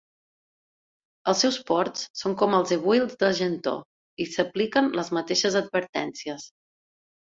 Els seus ports són com els ebuilds de Gentoo, i s'apliquen les mateixes advertències.